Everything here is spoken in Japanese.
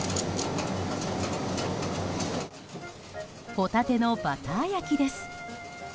ホタテのバター焼きです。